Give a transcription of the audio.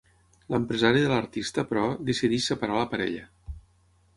L'empresari de l'artista, però, decideix separar la parella.